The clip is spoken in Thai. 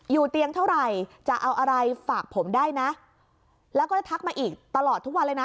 เตียงเท่าไหร่จะเอาอะไรฝากผมได้นะแล้วก็จะทักมาอีกตลอดทุกวันเลยนะ